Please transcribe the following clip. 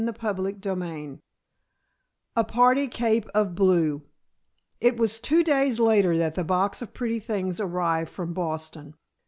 CHAPTER XIII A PARTY CAPE OF BLUE It was two days later that the box of pretty things arrived from Boston.